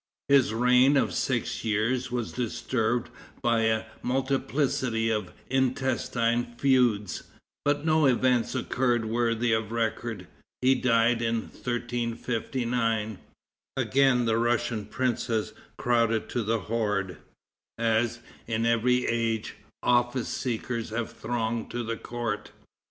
His reign of six years was disturbed by a multiplicity of intestine feuds, but no events occurred worthy of record. He died in 1359. Again the Russian princes crowded to the horde, as, in every age, office seekers have thronged the court.